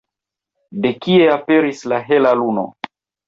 De kie aperis la hela luno?